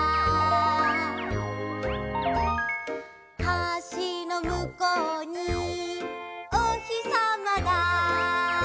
「橋のむこうにおひさまだ」